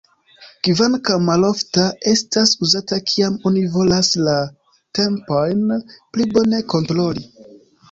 Kvankam malofta, estas uzata kiam oni volas la tempojn pli bone kontroli.